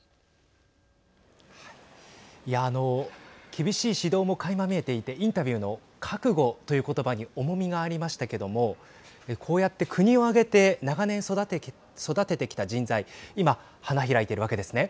厳しい指導もかいま見えていてインタビューの覚悟という言葉に重みがありましたけどもこうやって国を挙げて長年育ててきた人材、今花開いているわけですね。